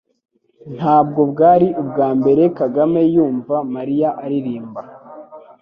Ntabwo bwari ubwa mbere Kagame yumva Mariya aririmba